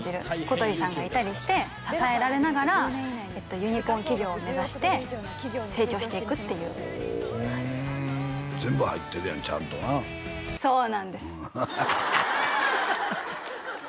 小鳥さんがいたりして支えられながらユニコーン企業を目指して成長していくっていう全部入ってるやんちゃんとなそうなんですハハハッ